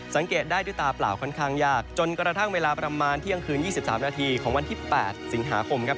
สังเกตได้ด้วยตาเปล่าค่อนข้างยากจนกระทั่งเวลาประมาณเที่ยงคืน๒๓นาทีของวันที่๘สิงหาคมครับ